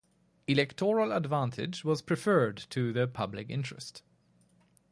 Electoral advantage was preferred to the public interest.